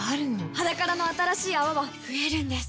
「ｈａｄａｋａｒａ」の新しい泡は増えるんです